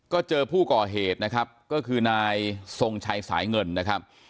ก็เจอผู้ก่อเหตุนะครับก็คือนายทรงชัยสายเงินนะครับ